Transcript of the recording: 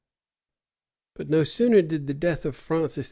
But no sooner did the death of Francis II.